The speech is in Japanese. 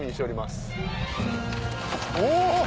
お！